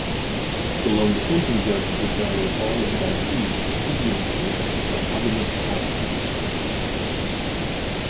The lone dissenting judge to exonerate all indictees was Indian jurist Radhabinod Pal.